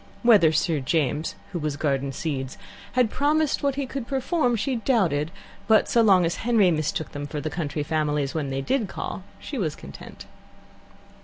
Whether Sir James, who was Garden Seeds, had promised what he could perform, she doubted, but so long as Henry mistook them for the county families when they did call, she was content.